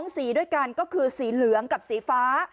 สีด้วยกันก็คือสีเหลืองกับสีฟ้า